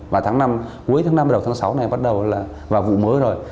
và tháng cuối tháng năm đầu tháng sáu này bắt đầu là vào vụ mới rồi